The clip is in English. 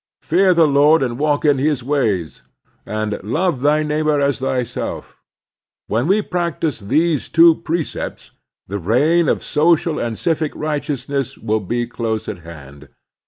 *' Fear the Lord and walk in His ways " and " Love thy neighbor as thyself" — when we practise these two precepts, the reign of social and civic right eousness will be close at hand.